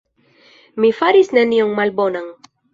Mi faris nenion malbonan.